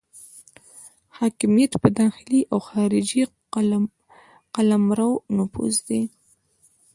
حاکمیت په داخلي او خارجي قلمرو نفوذ دی.